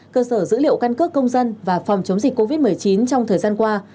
cơ sở dữ liệu căn cước công dân và phòng chống dịch covid một mươi chín trong thời gian qua